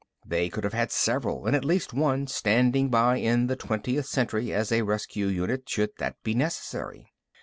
They could have had several and at least one standing by in the twentieth century as a rescue unit, should that be necessary.